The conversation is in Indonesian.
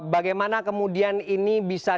bagaimana kemudian ini bisa